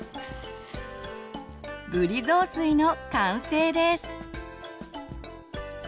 ぶり雑炊の完成です。